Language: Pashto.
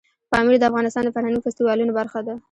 پامیر د افغانستان د فرهنګي فستیوالونو برخه ده.